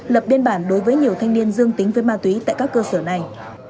lập biên bản đối với nhiều thanh niên dương tính với ma túy tại các cơ sở này